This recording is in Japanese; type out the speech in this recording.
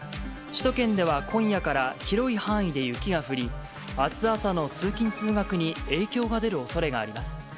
首都圏では今夜から広い範囲で雪が降り、あす朝の通勤・通学に影響が出るおそれがあります。